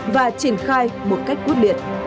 và triển khai một cách quốc biệt